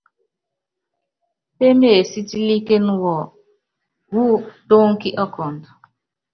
Pémeésítílíkén wɔ wɔ́ tónki ɔkɔnd.